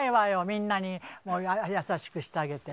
みんなに優しくしてあげて。